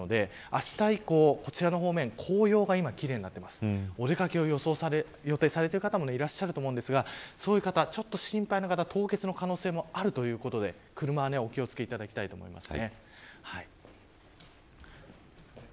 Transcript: あした以降こちらの方面、紅葉が奇麗になっています、お出掛けを予定されている方もいると思いますが心配な方、凍結の可能性もあるということで車は気を付けてもらいたいです。